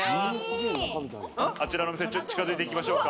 あちらのお店、近づいていきましょうか。